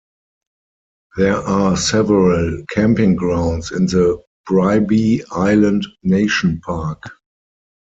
There are several camping grounds in the Bribie Island Nation Park.